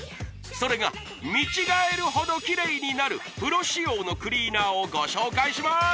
それが見違えるほどキレイになるプロ仕様のクリーナーをご紹介します